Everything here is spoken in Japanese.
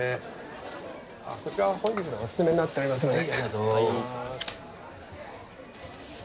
こちらは本日のおすすめになっておりますので。